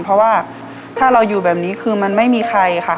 เพราะว่าถ้าเราอยู่แบบนี้คือมันไม่มีใครค่ะ